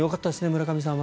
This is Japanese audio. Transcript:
村上さん。